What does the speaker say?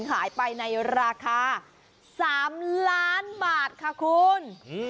หายไปในราคา๓ล้านบาทค่ะคุณ